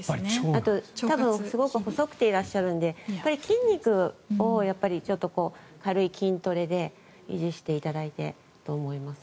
あと細くていらっしゃるので筋肉を軽い筋トレで維持していただいてと思います。